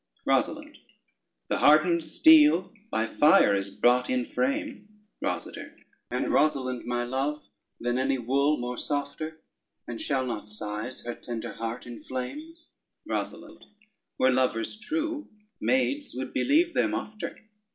ROSALYNDE The hardened steel by fire is brought in frame: ROSADER And Rosalynde, my love, than any wool more softer; And shall not sighs her tender heart inflame? ROSALYNDE Were lovers true, maids would believe them ofter.